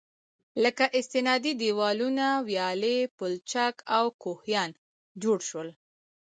لكه: استنادي دېوالونه، ويالې، پولچك او كوهيان جوړ شول.